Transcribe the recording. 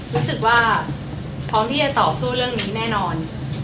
รู้สึกว่าพร้อมที่จะต่อสู้เรื่องนี้แน่นอน